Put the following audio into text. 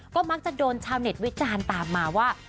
ก็มักจะโดนชาวเน็ตวิจารณ์ตามมาว่า